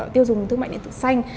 tiêu dùng thương mại điện tử xanh